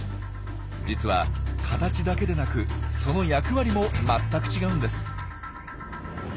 実は形だけでなくその役割も全く違うんです。